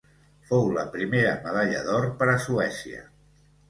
Fou la primera medalla d'or per a Suècia.